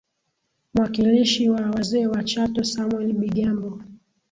mwakilishi wa wazee wa Chato Samwel Bigambo